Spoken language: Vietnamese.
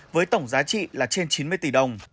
với tổng giá trị là trên chín mươi tỷ đồng